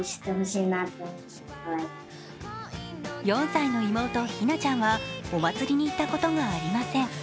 ４歳の妹・ひなちゃんはお祭りに行ったことがありません。